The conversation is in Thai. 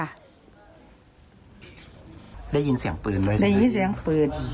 ก็ได้ยินเสียงปืนเลยเหรอครับ